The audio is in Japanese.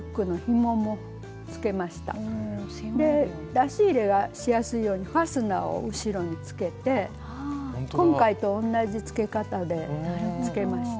出し入れがしやすいようにファスナーを後ろにつけて今回と同じつけ方でつけました。